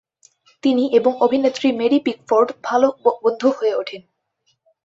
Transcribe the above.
তিনি এবং অভিনেত্রী মেরি পিকফোর্ড ভালো বন্ধু হয়ে ওঠেন।